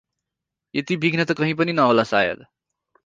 यती विघ्न त कहीँ पनि नहोला सायद!